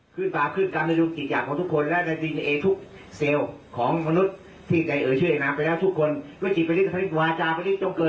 ญาปันญาปันญาปันญาปัน